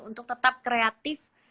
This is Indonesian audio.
untuk tetap kreatif